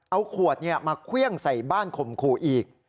เอาขวดมาเครื่องใส่บ้านข่มขู่อีก